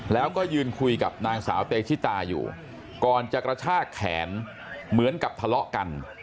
แล้วก็ยืนคุยกับนางสาวเตชิตาอยู่ก่อนจะกระชากแขนเหมือนกับทะเลาะกัน